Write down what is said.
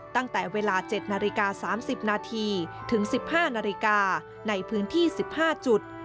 ตั้งแต่เวลา๗นาฬิกา๓๐นาทีถึง๑๕นาฬิกาในพื้นที่๑๕จุด